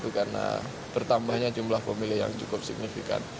karena bertambahnya jumlah pemilih yang cukup signifikan